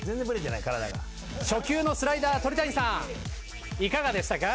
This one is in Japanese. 初球のスライダー鳥谷さんいかがでしたか？